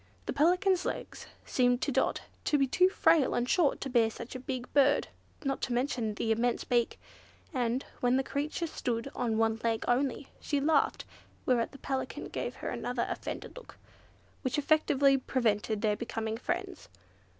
The Pelican's legs seemed to Dot to be too frail and short to bear such a big bird, not to mention the immense beak; and, when the creature stood on one leg only, she laughed; whereat the Pelican gave her another offended look, which effectually prevented their becoming friends.